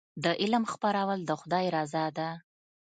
د علم خپرول د خدای رضا ده.